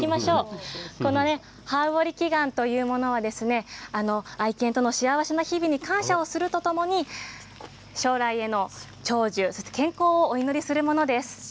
ハウオリ祈願というものは愛犬との幸せな日々に感謝するとともに将来の長寿と健康をお祈りするものです。